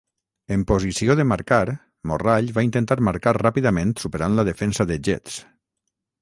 En posició de marcar, Morrall va intentar marcar ràpidament superant la defensa de Jets.